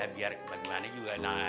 biar bagaimana juga yang namanya dagang koran